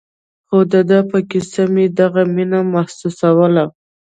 خو د ده په کيسو مې دغه مينه محسوسوله.